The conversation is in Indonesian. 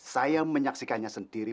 saya menyaksikannya sendiri